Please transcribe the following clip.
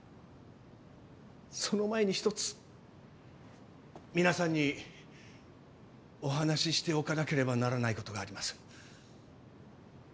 その前にひとつ皆さんにお話ししておかなければならないことがあります。